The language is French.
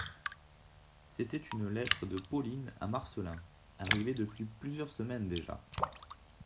C'était une lettre de Pauline à Marcelin, arrivée depuis plusieurs semaines déjà.